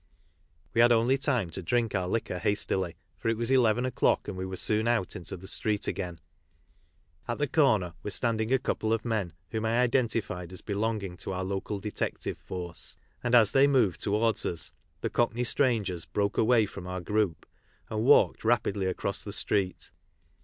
We had only time to drink our liquor hastily, for it was eleven o'clock, and we were soon out into the Street again. At the corner were standing a couple of men, whom I identified as belonging to our local detective force, and as they moved towards us the cockney strangers broke away from our group, and walked rapidly across the Street.